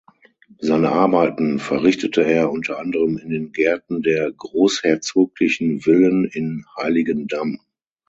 Seine Arbeiten verrichtete er unter anderem in den Gärten der großherzoglichen Villen in Heiligendamm.